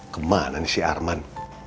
kemana nih si arman